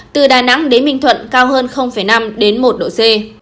từ đà nẵng đến minh thuận cao hơn năm một độ c